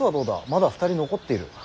まだ２人残っている。